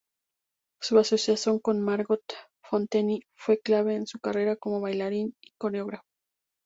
Su asociación con Margot Fonteyn fue clave en su carrera como bailarín y coreógrafo.